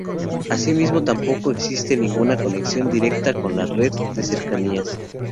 Asimismo, tampoco existe ninguna conexión directa con la red de Cercanías.